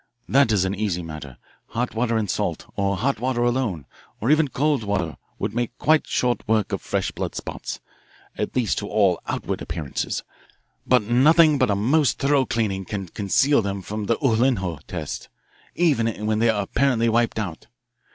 That is an easy matter. Hot water and salt, or hot water alone, or even cold water, will make quite short work of fresh blood spots at least to all outward appearances. But nothing but a most thorough cleaning can conceal them from the Uhlenhuth test, even when they are apparently wiped out.